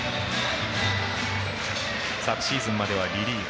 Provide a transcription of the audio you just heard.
昨シーズンまではリリーフ。